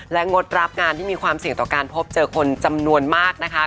และงดรับงานที่มีความเสี่ยงต่อการพบเจอคนจำนวนมากนะคะ